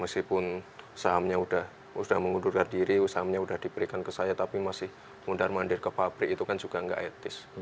meskipun sahamnya sudah mengundurkan diri sahamnya sudah diberikan ke saya tapi masih mundar mandir ke pabrik itu kan juga nggak etis